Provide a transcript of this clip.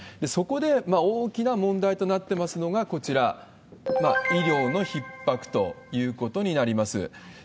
そこで大きな問題となってますのが、こちら、医療のひっ迫ということになります。